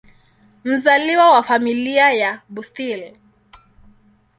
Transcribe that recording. Mzaliwa wa Familia ya Bustill.